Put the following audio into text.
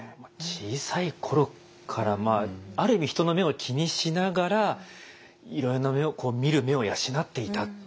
小さい頃からある意味人の目を気にしながらいろいろな目を見る目を養っていた。